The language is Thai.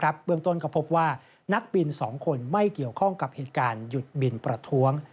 เบื้องต้นก็พบว่านักบิน๒คนไม่เกี่ยวข้องกับเหตุการณ์หยุดบินประท้วง